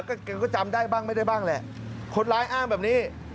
ก็แกก็จำได้บ้างไม่ได้บ้างแหละคนร้ายอ้างแบบนี้